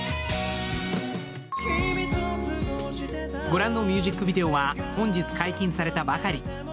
御覧のミュージックビデオは本日解禁されたばかり。